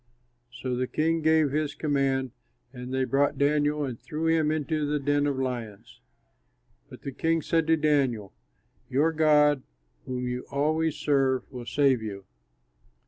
So the king gave his command, and they brought Daniel and threw him into the den of lions. But the king said to Daniel, "Your God, whom you always serve, will save you."